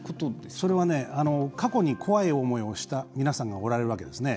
それは過去に怖い思いをした皆さんがおられるわけですね。